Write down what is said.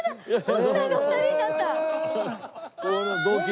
徳さんが２人になったよ。